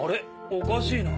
おかしいな。